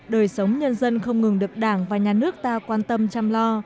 đời sống nhân dân không ngừng được đảng và nhà nước ta quan tâm chăm lo